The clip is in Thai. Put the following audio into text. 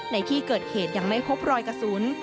ในที่เกิดเหตุยังไม่พบรอยกระสุน